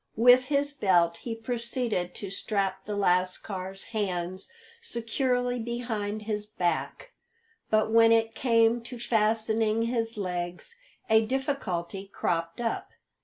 With his belt he proceeded to strap the lascar's hands securely behind his back; but when it came to fastening his legs, a difficulty cropped up.